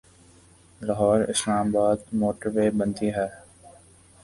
Lahore Islamabad motorway بنتی ہے۔